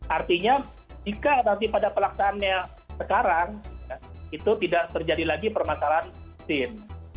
artinya jika nanti pada pelaksanaannya sekarang itu tidak terjadi lagi permasalahan vaksin